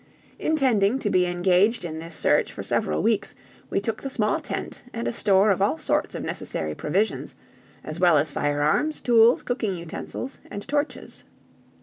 Intending to be engaged in this search for several weeks, we took the small tent and a store of all sorts of necessary provisions, as well as firearms, tools, cooking utensils, and torches.